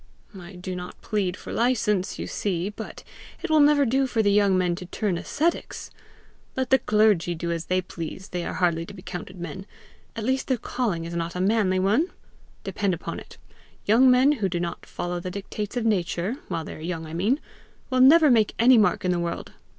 I do not plead for license, you see; but it will never do for young men to turn ascetics! Let the clergy do as they please; they are hardly to be counted men; at least their calling is not a manly one! Depend upon it, young men who do not follow the dictates of nature while they are young, I mean will never make any mark in the world!